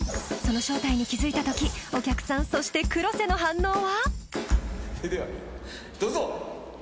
その正体に気づいた時お客さんそして黒瀬の反応は？